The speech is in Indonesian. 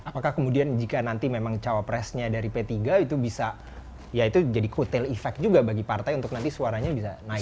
apakah kemudian jika nanti memang cawapresnya dari p tiga itu bisa ya itu jadi kutel efek juga bagi partai untuk nanti suaranya bisa naik